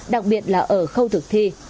đặc biệt là ở khâu thực thi